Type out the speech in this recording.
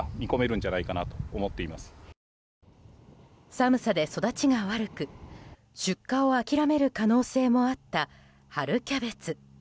寒さで育ちが悪く出荷を諦める可能性もあった春キャベツ。